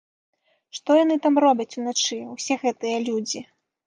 Што яны там робяць уначы, усе гэтыя людзі?!